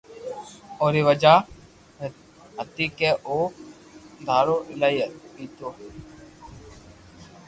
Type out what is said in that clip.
اوري وجہ ھتي ڪي او دھارو ايلائي پيتو